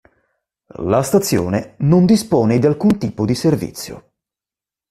La stazione non dispone di alcun tipo di servizio.